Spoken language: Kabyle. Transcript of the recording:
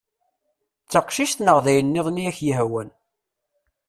D taqcict neɣ d ayen-nniḍen i ak-yehwan.